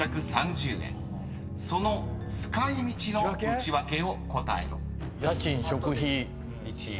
［その使い道のウチワケを答えろ］